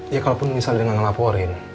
ya kalaupun misalnya dia gak ngelaporin